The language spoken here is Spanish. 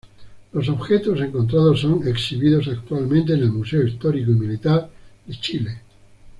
Los objetos encontrados son exhibidos actualmente en el Museo Histórico y Militar de Chile.